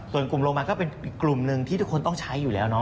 ส่วนกลุ่มโรงพยาบาลก็เป็นอีกกลุ่มหนึ่งที่ทุกคนต้องใช้อยู่แล้วเนาะ